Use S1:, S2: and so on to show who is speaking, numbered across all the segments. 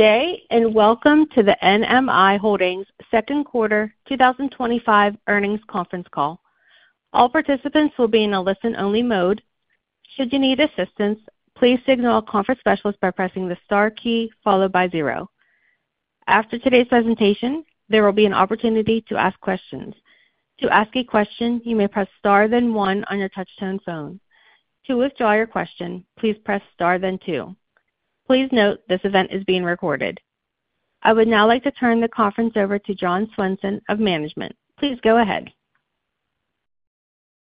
S1: Today, and welcome to the NMI Holdings, Inc second quarter 2025 earnings conference call. All participants will be in a listen-only mode. Should you need assistance, please signal a conference specialist by pressing the star key followed by zero. After today's presentation, there will be an opportunity to ask questions. To ask a question, you may press star then one on your touch-tone phone. To withdraw your question, please press star then two. Please note this event is being recorded. I would now like to turn the conference over to John Swenson of management. Please go ahead.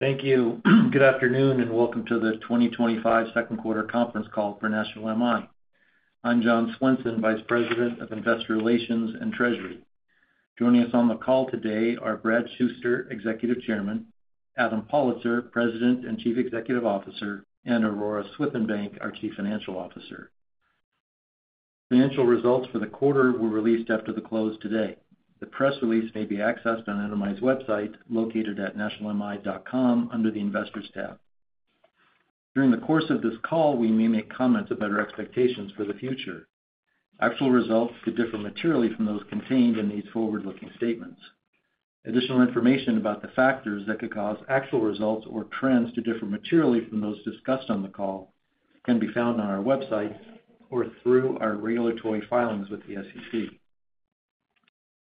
S2: Thank you. Good afternoon and welcome to the 2025 second quarter conference call for National MI I'm John Swenson, Vice President of Investor Relations and Treasury. Joining us on the call today are Brad Shuster, Executive Chairman, Adam Pollitzer, President and Chief Executive Officer, and Aurora Swithenbank, our Chief Financial Officer. Financial results for the quarter were released after the close today. The press release may be accessed on NMI's website, located at nationalmi.com, under the Investors tab. During the course of this call, we may make comments about our expectations for the future. Actual results could differ materially from those contained in these forward-looking statements. Additional information about the factors that could cause actual results or trends to differ materially from those discussed on the call can be found on our website or through our regulatory filings with the SEC.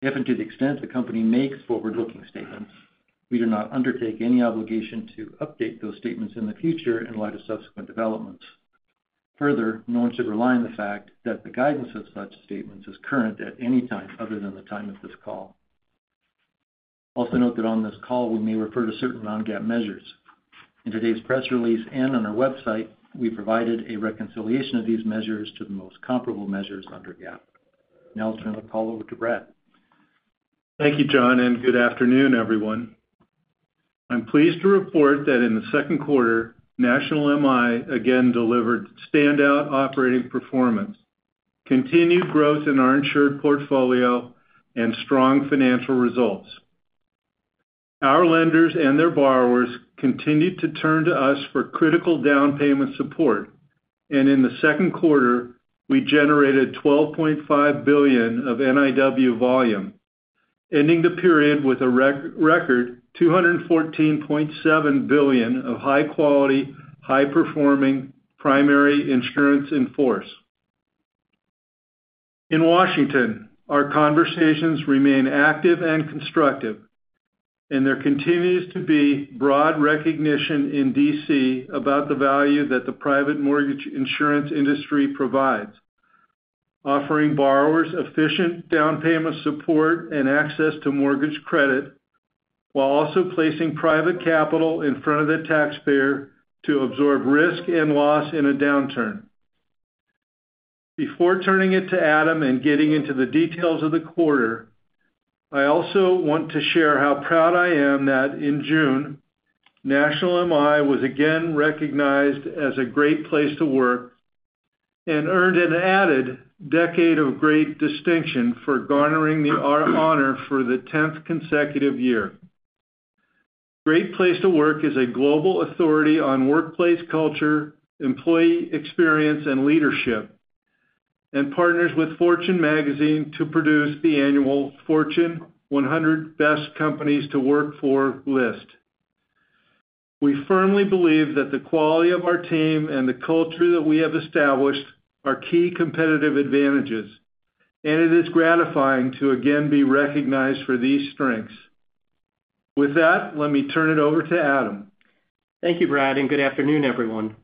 S2: If and to the extent the company makes forward-looking statements, we do not undertake any obligation to update those statements in the future in light of subsequent developments. Further, no one should rely on the fact that the guidance of such statements is current at any time other than the time of this call. Also note that on this call, we may refer to certain non-GAAP measures. In today's press release and on our website, we provided a reconciliation of these measures to the most comparable measures under GAAP. Now I'll turn the call over to Brad.
S3: Thank you, John, and good afternoon, everyone. I'm pleased to report that in the second quarter, National MI again delivered standout operating performance, continued growth in our insured portfolio, and strong financial results. Our lenders and their borrowers continued to turn to us for critical down payment support, and in the second quarter, we generated $12.5 billion of NIW volume, ending the period with a record $214.7 billion of high-quality, high-performing primary insurance in force. In Washington, our conversations remain active and constructive, and there continues to be broad recognition in D.C. about the value that the private mortgage insurance industry provides, offering borrowers efficient down payment support and access to mortgage credit, while also placing private capital in front of the taxpayer to absorb risk and loss in a downturn. Before turning it to Adam and getting into the details of the quarter, I also want to share how proud I am that in June, National MI was again recognized as a Great Place to work and earned an added decade of great distinction for garnering our honor for the 10th consecutive year. Great Place to Work is a global authority on workplace culture, employee experience, and leadership, and partners with Fortune Magazine to produce the annual Fortune 100 Best Companies to Work For list. We firmly believe that the quality of our team and the culture that we have established are key competitive advantages, and it is gratifying to again be recognized for these strengths. With that, let me turn it over to Adam.
S4: Thank you, Brad, and good afternoon, everyone.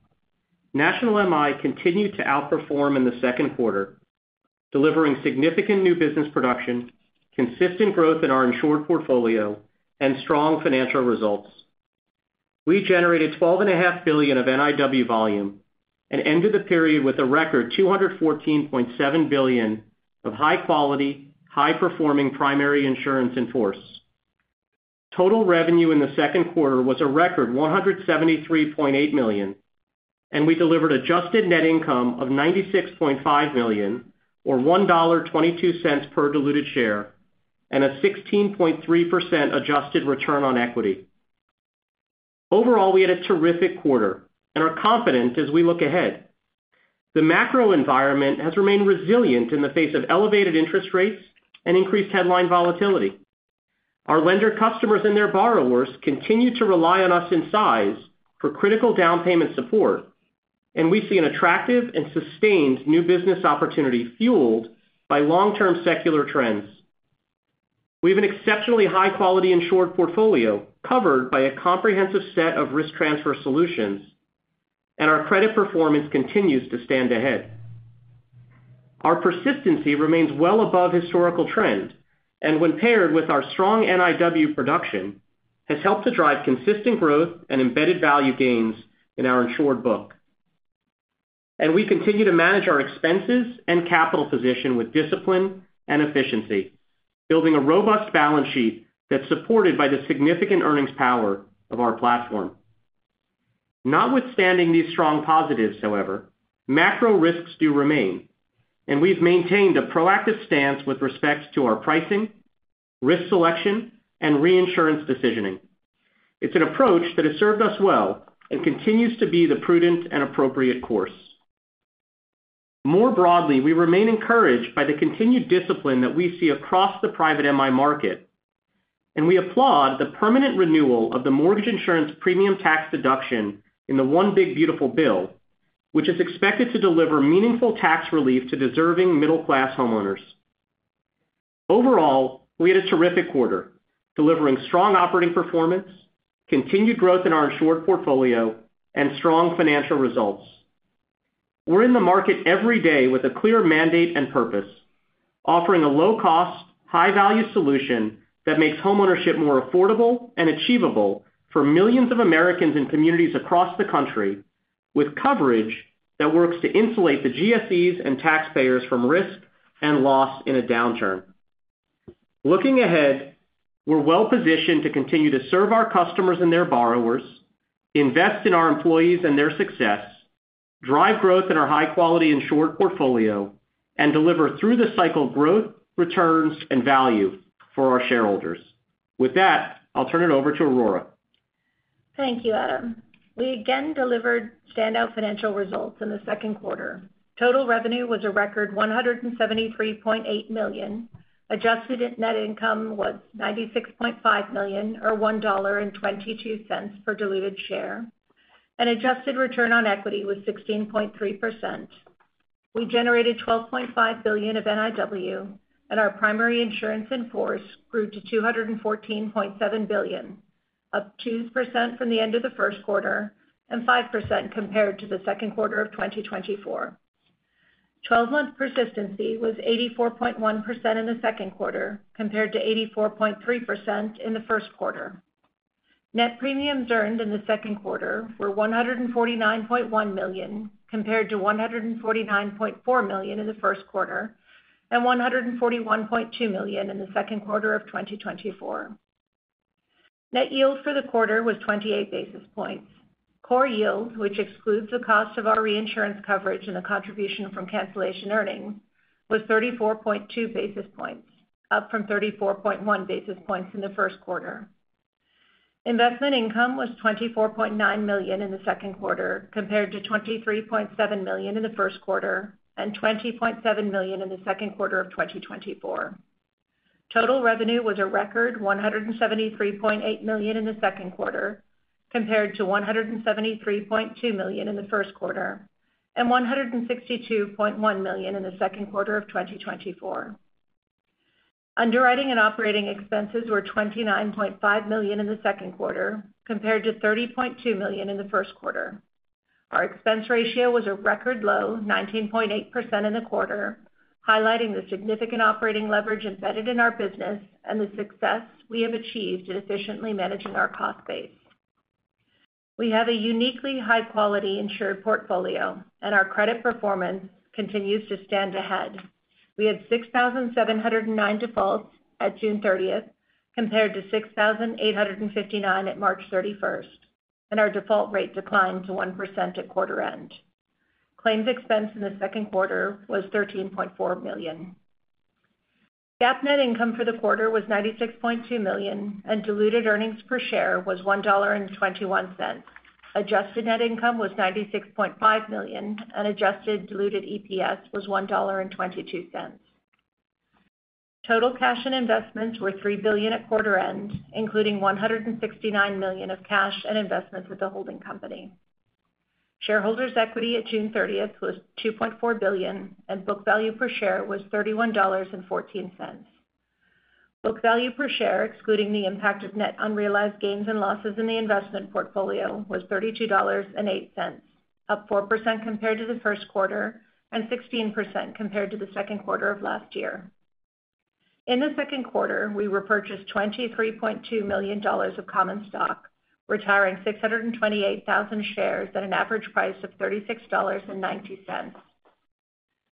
S4: National MI continued to outperform in the second quarter, delivering significant new business production, consistent growth in our insured portfolio, and strong financial results. We generated $12.5 billion of new insurance written volume and ended the period with a record $214.7 billion of high-quality, high-performing primary insurance in force. Total revenue in the second quarter was a record $173.8 million, and we delivered adjusted net income of $96.5 million, or $1.22 per diluted share, and a 16.3% adjusted return on equity. Overall, we had a terrific quarter and are confident as we look ahead. The macro environment has remained resilient in the face of elevated interest rates and increased headline volatility. Our lender customers and their borrowers continue to rely on us in size for critical down payment support, and we see an attractive and sustained new business opportunity fueled by long-term secular trends. We have an exceptionally high-quality insured portfolio covered by a comprehensive set of risk transfer solutions, and our credit performance continues to stand ahead. Our persistency remains well above historical trend, and when paired with our strong NIW production, has helped to drive consistent growth and embedded value gains in our insured book. We continue to manage our expenses and capital position with discipline and efficiency, building a robust balance sheet that's supported by the significant earnings power of our platform. Notwithstanding these strong positives, however, macro risks do remain, and we've maintained a proactive stance with respect to our pricing, risk selection, and reinsurance decisioning. It's an approach that has served us well and continues to be the prudent and appropriate course. More broadly, we remain encouraged by the continued discipline that we see across the private mortgage insurance market, and we applaud the permanent renewal of the mortgage insurance premium tax deduction in the One Big Beautiful Bill, which is expected to deliver meaningful tax relief to deserving middle-class homeowners. Overall, we had a terrific quarter, delivering strong operating performance, continued growth in our insured portfolio, and strong financial results. We're in the market every day with a clear mandate and purpose, offering a low-cost, high-value solution that makes homeownership more affordable and achievable for millions of Americans in communities across the country, with coverage that works to insulate the GSEs and taxpayers from risk and loss in a downturn. Looking ahead, we're well positioned to continue to serve our customers and their borrowers, invest in our employees and their success, drive growth in our high-quality insured portfolio, and deliver through the cycle growth, returns, and value for our shareholders. With that, I'll turn it over to Aurora.
S5: Thank you, Adam. We again delivered standout financial results in the second quarter. Total revenue was a record $173.8 million. Adjusted net income was $96.5 million, or $1.22 per diluted share, and adjusted return on equity was 16.3%. We generated $12.5 billion of NIW, and our primary insurance in force grew to $214.7 billion, up 2% from the end of the first quarter and 5% compared to the second quarter of 2024. 12-month persistency was 84.1% in the second quarter compared to 84.3% in the first quarter. Net premiums earned in the second quarter were $149.1 million compared to $149.4 million in the first quarter and $141.2 million in the second quarter of 2024. Net yield for the quarter was 28 basis points. Core yield, which excludes the cost of our reinsurance coverage and the contribution from cancellation earnings, was 34.2 basis points, up from 34.1 basis points in the first quarter. Investment income was $24.9 million in the second quarter compared to $23.7 million in the first quarter and $20.7 million in the second quarter of 2024. Total revenue was a record $173.8 million in the second quarter compared to $173.2 million in the first quarter and $162.1 million in the second quarter of 2024. Underwriting and operating expenses were $29.5 million in the second quarter compared to $30.2 million in the first quarter. Our expense ratio was a record low, 19.8% in the quarter, highlighting the significant operating leverage embedded in our business and the success we have achieved in efficiently managing our cost base. We have a uniquely high-quality insured portfolio, and our credit performance continues to stand ahead. We had 6,709 defaults at June 30th compared to 6,859 at March 31st, and our default rate declined to 1% at quarter end. Claims expense in the second quarter was $13.4 million. GAAP net income for the quarter was $96.2 million, and diluted earnings per share was $1.21. Adjusted net income was $96.5 million, and adjusted diluted EPS was $1.22. Total cash and investments were $3 billion at quarter end, including $169 million of cash and investments with the holding company. Shareholders' equity at June 30th was $2.4 billion, and book value per share was $31.14. Book value per share, excluding the impact of net unrealized gains and losses in the investment portfolio, was $32.08, up 4% compared to the first quarter and 16% compared to the second quarter of last year. In the second quarter, we repurchased $23.2 million of common stock, retiring 628,000 shares at an average price of $36.90.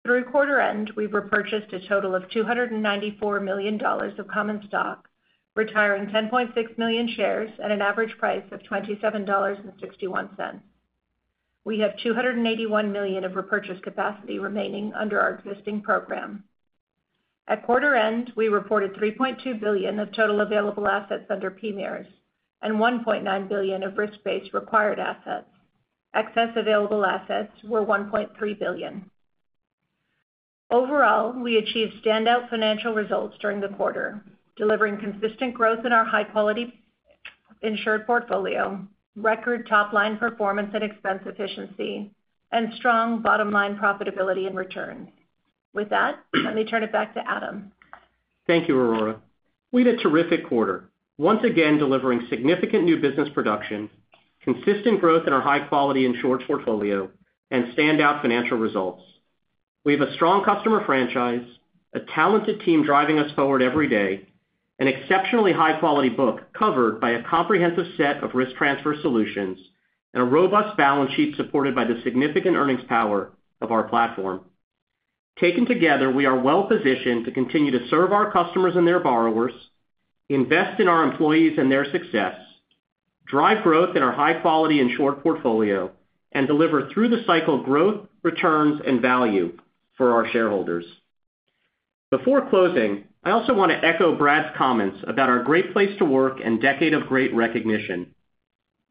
S5: Through quarter end, we repurchased a total of $294 million of common stock, retiring 10.6 million shares at an average price of $27.61. We have $281 million of repurchase capacity remaining under our existing program. At quarter end, we reported $3.2 billion of total available assets under PMIERs and $1.9 billion of risk-based required assets. Excess available assets were $1.3 billion. Overall, we achieved standout financial results during the quarter, delivering consistent growth in our high-quality insured portfolio, record top-line performance and expense efficiency, and strong bottom-line profitability and return. With that, let me turn it back to Adam.
S4: Thank you, Aurora. We had a terrific quarter, once again delivering significant new business production, consistent growth in our high-quality insured portfolio, and standout financial results. We have a strong customer franchise, a talented team driving us forward every day, an exceptionally high-quality book covered by a comprehensive set of risk transfer solutions, and a robust balance sheet supported by the significant earnings power of our platform. Taken together, we are well positioned to continue to serve our customers and their borrowers, invest in our employees and their success, drive growth in our high-quality insured portfolio, and deliver through the cycle growth, returns, and value for our shareholders. Before closing, I also want to echo Brad's comments about our Great Place To Work and Decade of Great Recognition.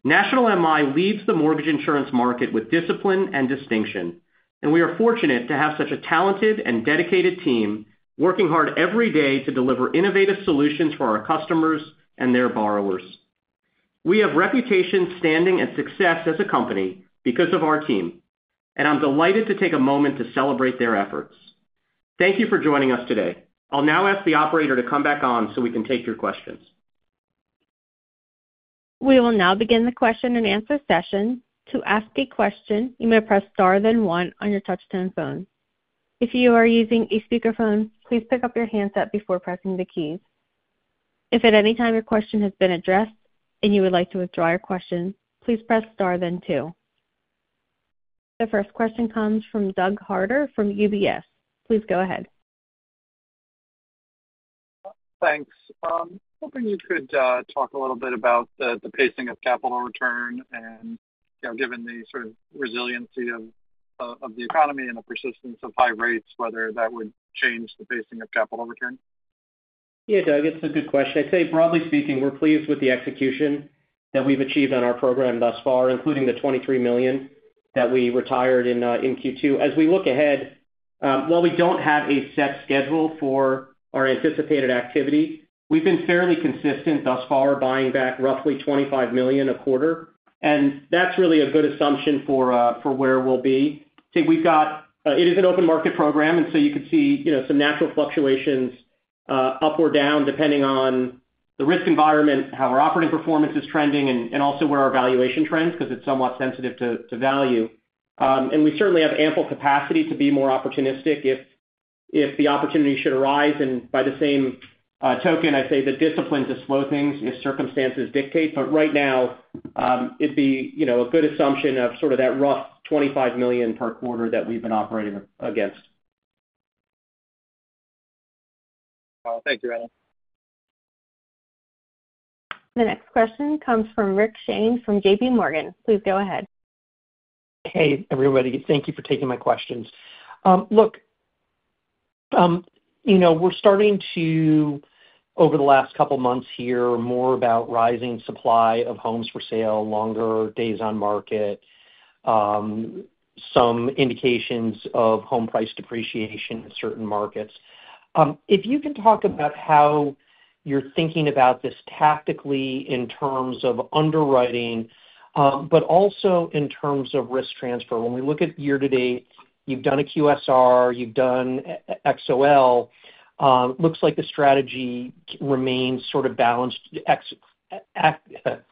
S4: National MI leads the mortgage insurance market with discipline and distinction, and we are fortunate to have such a talented and dedicated team working hard every day to deliver innovative solutions for our customers and their borrowers. We have a reputation standing at success as a company because of our team, and I'm delighted to take a moment to celebrate their efforts. Thank you for joining us today. I'll now ask the operator to come back on so we can take your questions.
S1: We will now begin the question and answer session. To ask a question, you may press star then one on your touch-tone phone. If you are using a speaker phone, please pick up your handset before pressing the keys. If at any time your question has been addressed and you would like to withdraw your question, please press star then two. The first question comes from Doug Harter from UBS. Please go ahead.
S6: Thanks. I'm hoping you could talk a little bit about the pacing of capital return, and given the sort of resiliency of the economy and the persistence of high rates, whether that would change the pacing of capital return.
S4: Yeah, Doug, it's a good question. I'd say, broadly speaking, we're pleased with the execution that we've achieved on our program thus far, including the $23 million that we retired in Q2. As we look ahead, while we don't have a set schedule for our anticipated activity, we've been fairly consistent thus far, buying back roughly $25 million a quarter, and that's really a good assumption for where we'll be. I think we've got it as an open market program, so you could see some natural fluctuations up or down depending on the risk environment, how our operating performance is trending, and also where our valuation trends, because it's somewhat sensitive to value. We certainly have ample capacity to be more opportunistic if the opportunity should arise, and by the same token, I'd say that discipline to slow things if circumstances dictate. Right now, it'd be a good assumption of sort of that rough $25 million per quarter that we've been operating against.
S6: Thank you, Adam.
S1: The next question comes from Rick Shane from JPMorgan. Please go ahead.
S7: Hey, everybody. Thank you for taking my questions. Look, you know we're starting to, over the last couple of months here, hear more about rising supply of homes for sale, longer days on market, some indications of home price depreciation in certain markets. If you can talk about how you're thinking about this tactically in terms of underwriting, but also in terms of risk transfer. When we look at year to date, you've done a QSR, you've done XOL. It looks like the strategy remains sort of balanced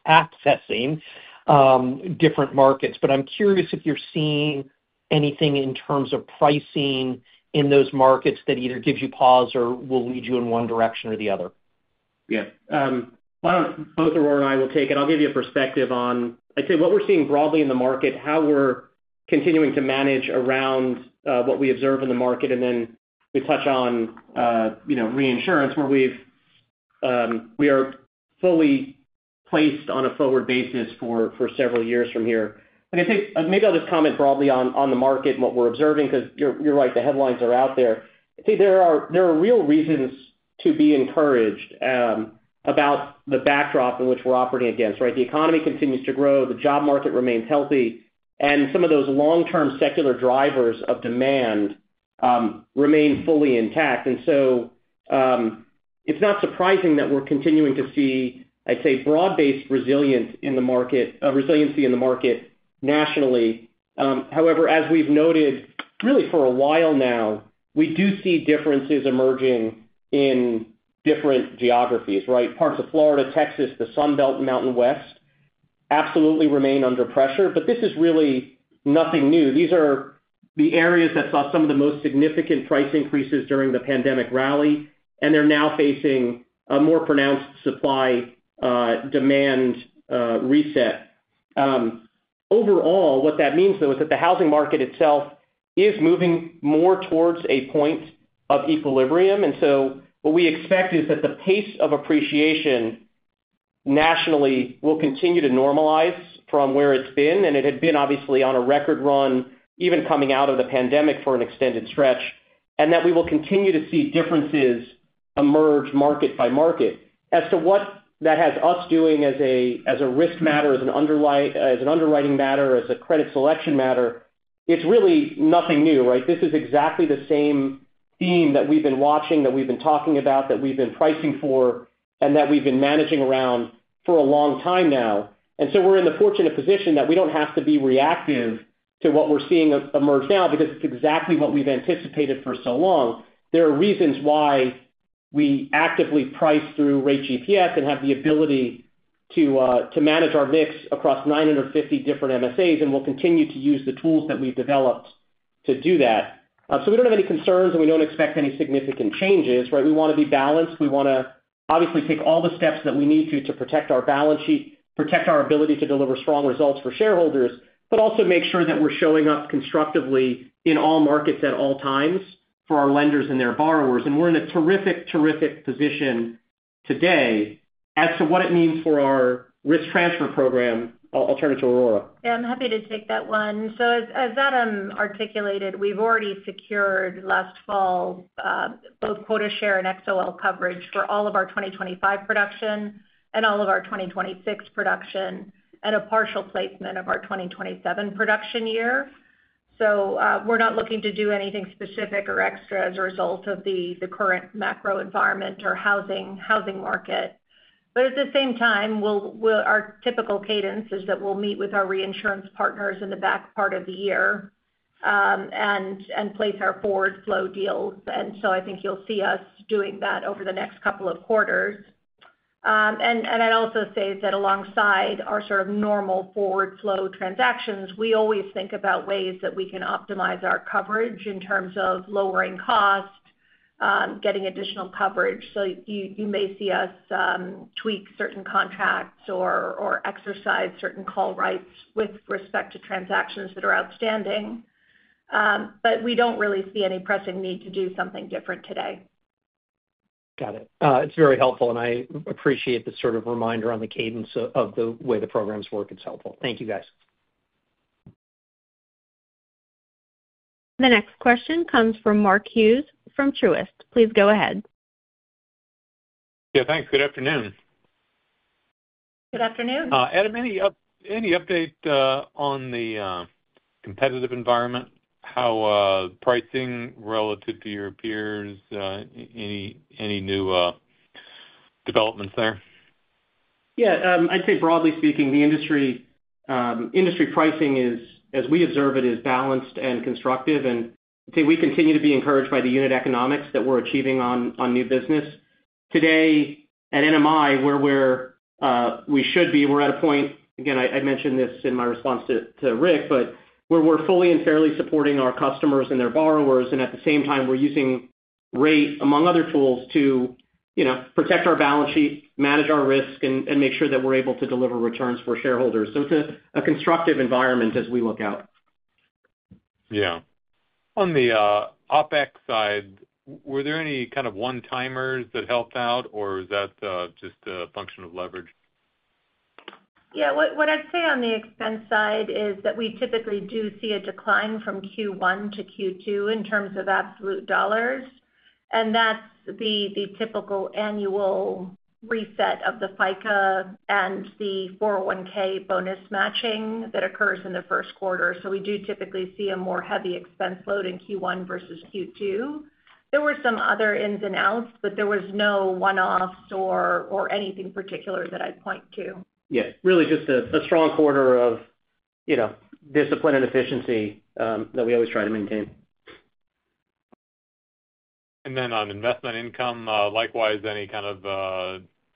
S7: accessing different markets, but I'm curious if you're seeing anything in terms of pricing in those markets that either gives you pause or will lead you in one direction or the other.
S4: Yeah. Why don't both Aurora and I take it? I'll give you a perspective on what we're seeing broadly in the market, how we're continuing to manage around what we observe in the market, and then we touch on reinsurance where we are fully placed on a forward basis for several years from here. I think maybe I'll just comment broadly on the market and what we're observing because you're right, the headlines are out there. I think there are real reasons to be encouraged about the backdrop in which we're operating against, right? The economy continues to grow, the job market remains healthy, and some of those long-term secular drivers of demand remain fully intact. It's not surprising that we're continuing to see broad-based resilience in the market, a resiliency in the market nationally. However, as we've noted really for a while now, we do see differences emerging in different geographies, right? Parts of Florida, Texas, the Sun Belt, and Mountain West absolutely remain under pressure, but this is really nothing new. These are the areas that saw some of the most significant price increases during the pandemic rally, and they're now facing a more pronounced supply-demand reset. Overall, what that means is that the housing market itself is moving more towards a point of equilibrium. What we expect is that the pace of appreciation nationally will continue to normalize from where it's been, and it had been obviously on a record run even coming out of the pandemic for an extended stretch, and that we will continue to see differences emerge market by market. As to what that has us doing as a risk matter, as an underwriting matter, as a credit selection matter, it's really nothing new, right? This is exactly the same theme that we've been watching, that we've been talking about, that we've been pricing for, and that we've been managing around for a long time now. We're in the fortunate position that we don't have to be reactive to what we're seeing emerge now because it's exactly what we've anticipated for so long. There are reasons why we actively price through Rate GPS and have the ability to manage our mix across 950 different MSAs, and we'll continue to use the tools that we've developed to do that. We don't have any concerns, and we don't expect any significant changes, right? We want to be balanced. We want to obviously take all the steps that we need to to protect our balance sheet, protect our ability to deliver strong results for shareholders, but also make sure that we're showing up constructively in all markets at all times for our lenders and their borrowers. We're in a terrific, terrific position today as to what it means for our risk transfer program. I'll turn it to Aurora.
S5: Yeah, I'm happy to take that one. As Adam articulated, we've already secured last fall both quota share and XOL coverage for all of our 2025 production and all of our 2026 production and a partial placement of our 2027 production year. We're not looking to do anything specific or extra as a result of the current macro environment or housing market. At the same time, our typical cadence is that we'll meet with our reinsurance partners in the back part of the year and place our forward flow deals. I think you'll see us doing that over the next couple of quarters. I'd also say that alongside our sort of normal forward flow transactions, we always think about ways that we can optimize our coverage in terms of lowering costs, getting additional coverage. You may see us tweak certain contracts or exercise certain call rights with respect to transactions that are outstanding. We don't really see any pressing need to do something different today.
S7: Got it. It's very helpful, and I appreciate the sort of reminder on the cadence of the way the programs work. It's helpful. Thank you, guys.
S1: The next question comes from Mark Hughes from Truist Securities. Please go ahead.
S8: Yeah, thanks. Good afternoon.
S5: Good afternoon.
S8: Adam, any update on the competitive environment? How is pricing relative to your peers, any new developments there?
S4: I'd say broadly speaking, the industry pricing is, as we observe it, balanced and constructive. I'd say we continue to be encouraged by the unit economics that we're achieving on new business. Today at NMI, where we should be, we're at a point, again, I mentioned this in my response to Rick, where we're fully and fairly supporting our customers and their borrowers. At the same time, we're using rate, among other tools, to protect our balance sheet, manage our risk, and make sure that we're able to deliver returns for shareholders. It's a constructive environment as we look out.
S8: Yeah. On the OpEx side, were there any kind of one-timers that helped out, or is that just a function of leverage?
S5: What I'd say on the expense side is that we typically do see a decline from Q1 to Q2 in terms of absolute dollars. That's the typical annual reset of the FICA and the 401(k) bonus matching that occurs in the first quarter. We do typically see a more heavy expense load in Q1 versus Q2. There were some other ins and outs, but there were no one-offs or anything particular that I'd point to.
S4: Yeah, really just a strong quarter of discipline and efficiency that we always try to maintain.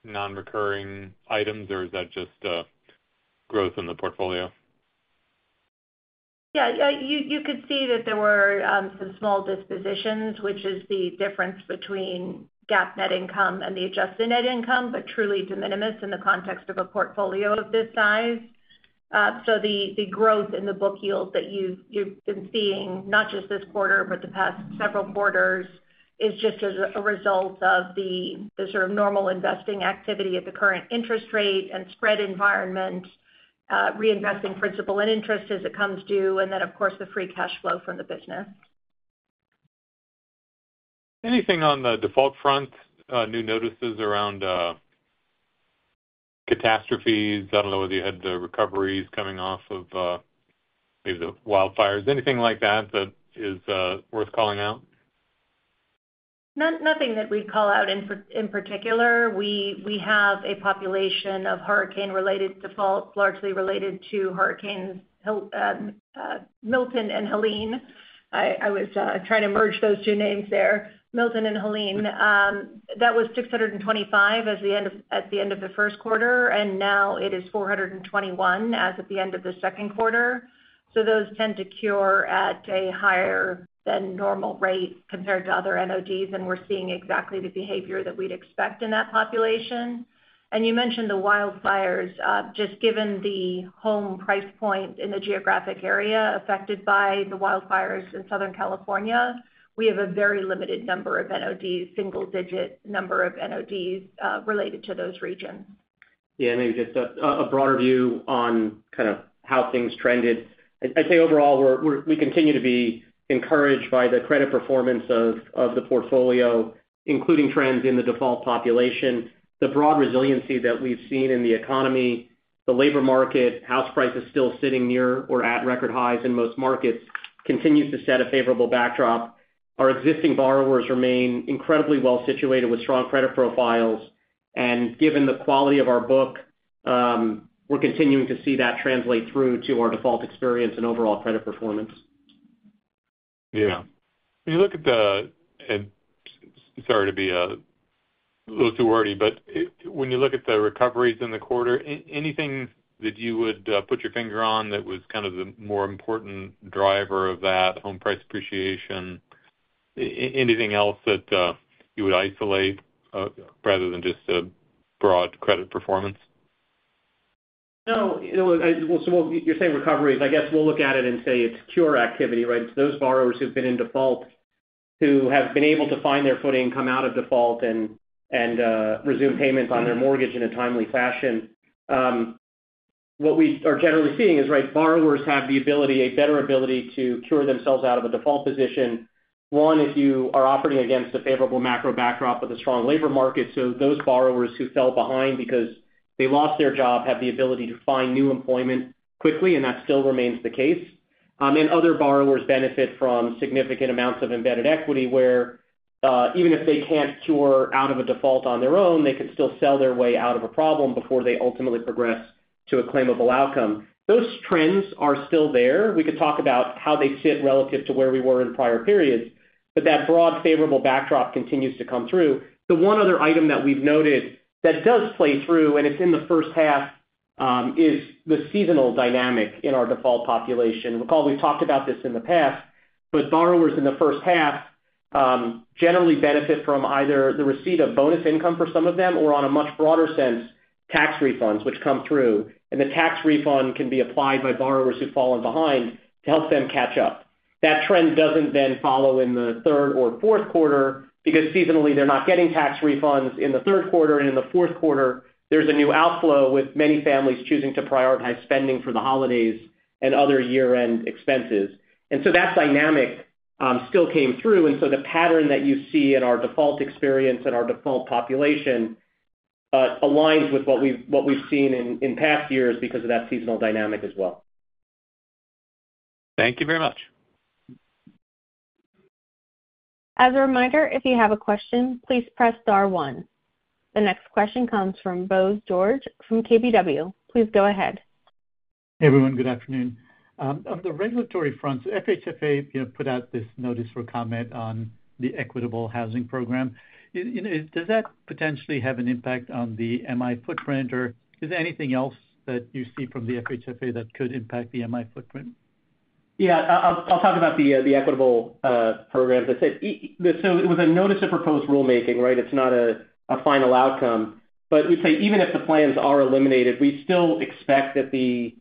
S8: On investment income, likewise, any kind of non-recurring items, or is that just growth in the portfolio?
S5: Yeah, you could see that there were some small dispositions, which is the difference between GAAP net income and the adjusted net income, but truly de minimis in the context of a portfolio of this size. The growth in the book yield that you've been seeing, not just this quarter, but the past several quarters, is just as a result of the sort of normal investing activity at the current interest rate and spread environment, reinvesting principal and interest as it comes due, and then, of course, the free cash flow from the business.
S8: Anything on the default front, new notices around catastrophes? I don't know whether you had the recoveries coming off of maybe the wildfires. Anything like that that is worth calling out?
S5: Nothing that we'd call out in particular. We have a population of hurricane-related defaults largely related to hurricanes Milton and Helene. I was trying to merge those two names there, Milton and Helene. That was 625 at the end of the first quarter, and now it is 421 as at the end of the second quarter. Those tend to cure at a higher than normal rate compared to other NODs, and we're seeing exactly the behavior that we'd expect in that population. You mentioned the wildfires. Just given the home price point in the geographic area affected by the wildfires in Southern California, we have a very limited number of NODs, single-digit number of NODs related to those regions.
S4: Maybe just a broader view on kind of how things trended. I'd say overall, we continue to be encouraged by the credit performance of the portfolio, including trends in the default population. The broad resiliency that we've seen in the economy, the labor market, house prices still sitting near or at record highs in most markets, continues to set a favorable backdrop. Our existing borrowers remain incredibly well situated with strong credit profiles, and given the quality of our book, we're continuing to see that translate through to our default experience and overall credit performance.
S8: When you look at the recoveries in the quarter, anything that you would put your finger on that was kind of the more important driver of that home price appreciation? Anything else that you would isolate rather than just a broad credit performance?
S4: No. You're saying recovery, and I guess we'll look at it and say it's cure activity, right? It's those borrowers who've been in default who have been able to find their footing, come out of default, and resume payments on their mortgage in a timely fashion. What we are generally seeing is, right, borrowers have a better ability to cure themselves out of a default position. One, if you are operating against a favorable macro backdrop with a strong labor market, those borrowers who fell behind because they lost their job have the ability to find new employment quickly, and that still remains the case. Other borrowers benefit from significant amounts of embedded equity where, even if they can't cure out of a default on their own, they can still sell their way out of a problem before they ultimately progress to a claimable outcome. Those trends are still there. We could talk about how they sit relative to where we were in prior periods, but that broad favorable backdrop continues to come through. The one other item that we've noted that does play through, and it's in the first half, is the seasonal dynamic in our default population. Recall we've talked about this in the past, but borrowers in the first half generally benefit from either the receipt of bonus income for some of them or, on a much broader sense, tax refunds which come through. The tax refund can be applied by borrowers who've fallen behind to help them catch up. That trend doesn't then follow in the third or fourth quarter because seasonally they're not getting tax refunds in the third quarter, and in the fourth quarter, there's a new outflow with many families choosing to prioritize spending for the holidays and other year-end expenses. That dynamic still came through. The pattern that you see in our default experience and our default population aligns with what we've seen in past years because of that seasonal dynamic as well.
S8: Thank you very much.
S1: As a reminder, if you have a question, please press star one. The next question comes from Bose George from KBW. Please go ahead.
S9: Hey, everyone. Good afternoon. On the regulatory front, FHFA put out this notice for comment on the Equitable Housing Finance Plans. Does that potentially have an impact on the MI footprint, or is there anything else that you see from the FHFA that could impact the MI footprint?
S4: Yeah, I'll talk about the Equitable Housing Finance Plans. I'd say it was a notice of proposed rulemaking, right? It's not a final outcome. We'd say even if the plans are eliminated, we still expect that the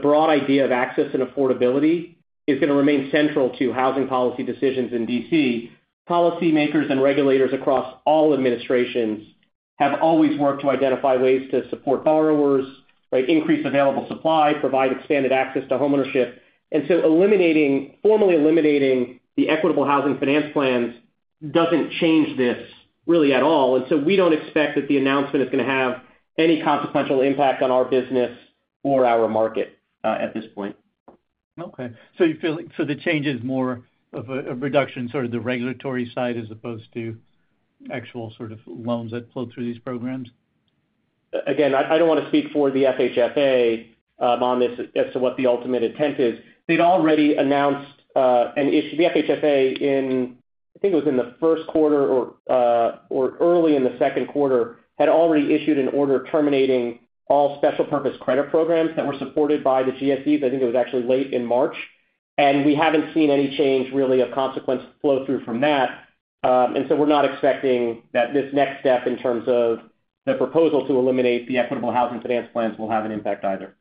S4: broad idea of access and affordability is going to remain central to housing policy decisions in D.C. Policymakers and regulators across all administrations have always worked to identify ways to support borrowers, increase available supply, provide expanded access to homeownership. Formally eliminating the Equitable Housing Finance Plans doesn't change this really at all. We don't expect that the announcement is going to have any consequential impact on our business or our market at this point.
S9: Okay. You feel like the change is more of a reduction in the regulatory side as opposed to actual loans that flow through these programs?
S4: Again, I don't want to speak for the FHFA on this as to what the ultimate intent is. They'd already announced an issue. The FHFA, in I think it was in the first quarter or early in the second quarter, had already issued an order terminating all special purpose credit programs that were supported by the GSEs. I think it was actually late in March. We haven't seen any change really of consequence flow through from that, so we're not expecting that this next step in terms of the proposal to eliminate the Equitable Housing Finance Plans will have an impact either.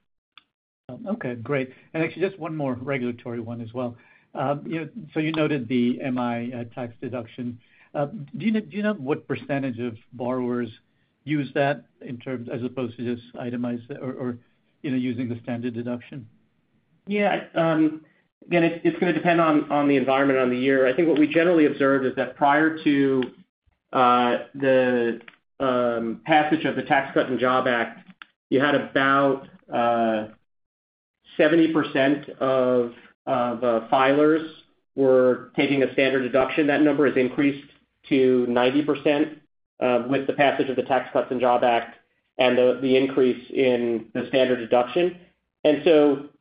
S9: Okay, great. Actually, just one more regulatory one as well. You know, you noted the mortgage insurance premium tax deduction. Do you know what percentage of borrowers use that in terms as opposed to just itemized or using the standard deduction?
S4: Yeah. Again, it's going to depend on the environment on the year. I think what we generally observe is that prior to the passage of the Tax Cuts and Jobs Act, you had about 70% of filers were taking a standard deduction. That number has increased to 90% with the passage of the Tax Cuts and Jobs Act and the increase in the standard deduction.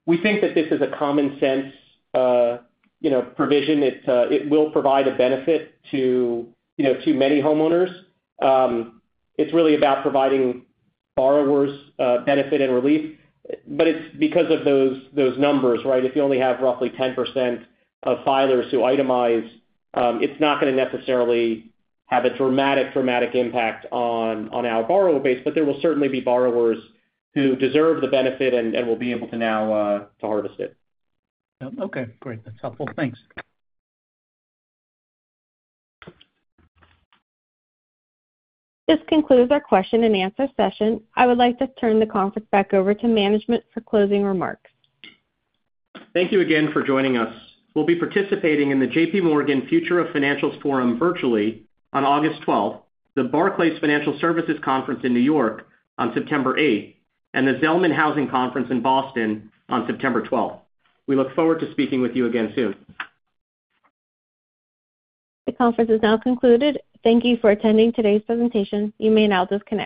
S4: We think that this is a common sense provision. It will provide a benefit to many homeowners. It's really about providing borrowers benefit and relief. It's because of those numbers, right? If you only have roughly 10% of filers who itemize, it's not going to necessarily have a dramatic, dramatic impact on our borrower base, but there will certainly be borrowers who deserve the benefit and will be able to now harvest it.
S9: Okay, great. That's helpful. Thanks.
S1: This concludes our question and answer session. I would like to turn the conference back over to management for closing remarks.
S4: Thank you again for joining us. We'll be participating in the JPMorgan Future of Financials Forum virtually on August 12, the Barclays Financial Services Conference in New York on September 8, and the Zelman Housing Conference in Boston on September 12. We look forward to speaking with you again soon.
S5: The conference is now concluded. Thank you for attending today's presentation. You may now disconnect.